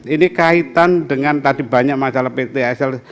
ini kaitan dengan tadi banyak masalah ptsl